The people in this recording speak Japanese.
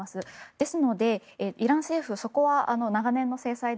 ですのでイラン政府そこは長年の制裁で